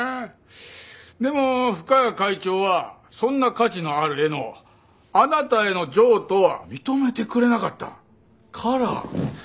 でも深谷会長はそんな価値のある絵のあなたへの譲渡は認めてくれなかったから。